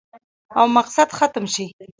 او مقصد ختم شي